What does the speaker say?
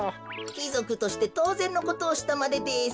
きぞくとしてとうぜんのことをしたまでです。